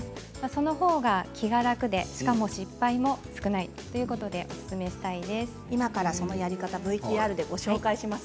そのほうが気が楽でしかも失敗も少ないということで今から、そのやり方をＶＴＲでご紹介します。